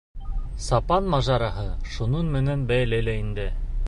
Сапан мажараһы шуның менән бәйле лә инде.